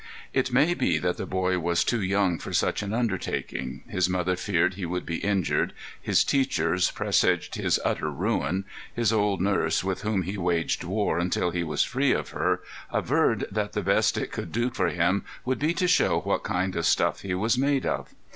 It may be that the boy was too young for such an undertaking. His mother feared he would be injured; his teachers presaged his utter ruin; his old nurse, with whom he waged war until he was free of her, averred that the best it could do for him would be to show what kind of stuff he was made of.